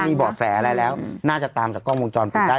มีบอกสแเยอะไรแล้วน่าจะตามจากกล้องวงจอนปลุกได้